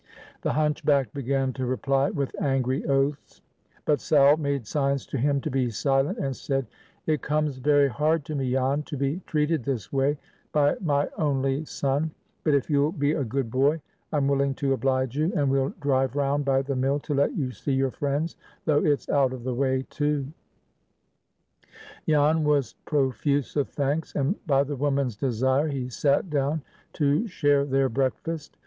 The hunchback began to reply with angry oaths, but Sal made signs to him to be silent, and said, "It comes very hard to me, Jan, to be treated this way by my only son, but, if you'll be a good boy, I'm willing to oblige you, and we'll drive round by the mill to let you see your friends, though it's out of the way too." Jan was profuse of thanks, and by the woman's desire he sat down to share their breakfast.